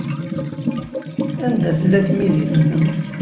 Anda tella tmidit-nnem?